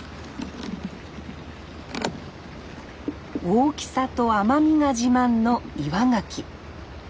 大きさと甘みが自慢の岩ガキ。